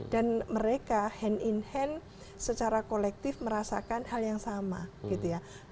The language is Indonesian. dan mereka hand in hand secara kolektif merasakan hal yang sama gitu ya